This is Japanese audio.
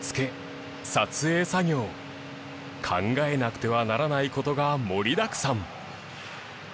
撮影作業考えなくてはならない事が盛りだくさん。